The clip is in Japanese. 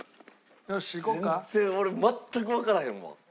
全然俺全くわからへんもん。